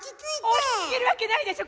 落ち着けるわけないでしょ！